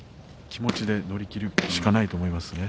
気持ちで乗り切るしかないと思いますね。